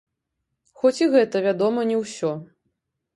Хоць і гэта, вядома, не ўсё.